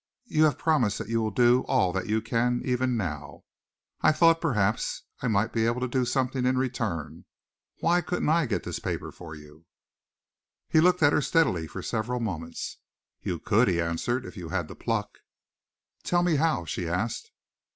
You have promised that you will do all that you can, even now. I thought, perhaps, I might be able to do something in return. Why couldn't I get this paper for you?" He looked at her steadily for several moments. "You could," he answered, "if you had the pluck." "Tell me how?" she asked.